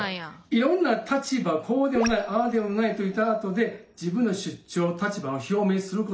いろんな立場こうではないああではないと言ったあとで自分の主張立場を表明することが大事なんです。